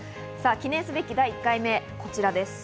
記念すべき第１回目こちらです。